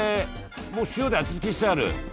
もう塩で味付けしてある。